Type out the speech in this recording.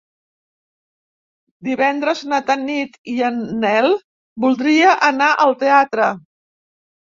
Divendres na Tanit i en Nel voldria anar al teatre.